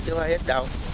chứ không phải hết đâu